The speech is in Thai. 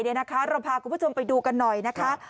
เราพาคุณผู้ชมไปดูกันหน่อยนะคะ